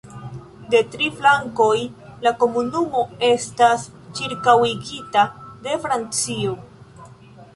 De tri flankoj la komunumo estas ĉirkaŭigita de Francio.